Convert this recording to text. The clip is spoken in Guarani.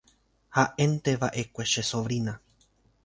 ha'énteva'ekue che sobrina